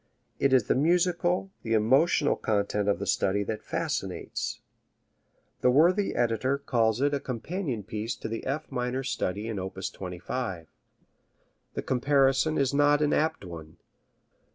It is the musical, the emotional content of the study that fascinates. The worthy editor calls it a companion piece to the F minor study in op. 25. The comparison is not an apt one.